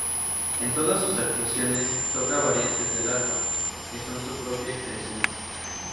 En todas sus actuaciones, toca variantes del arpa, que son su propia creación.